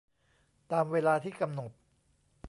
ตามเวลาที่กำหนด